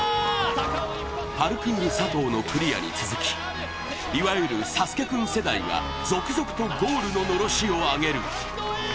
パルクール佐藤のクリアに続きいわゆるサスケくん世代が続々とゴールの、のろしを上げる。